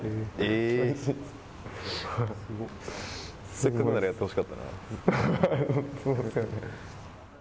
せっかくなら、やってほしかっすいません。